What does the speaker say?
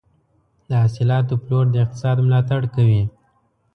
د حاصلاتو پلور د اقتصاد ملاتړ کوي.